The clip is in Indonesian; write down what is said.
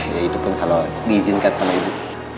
ya itu pun kalau diizinkan sama ibu